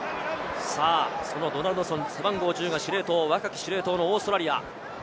ドナルドソン、背番号１０が司令塔、若き司令塔のオーストラリア。